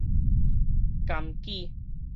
甘杞